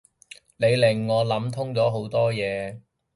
你令我諗通咗好多嘢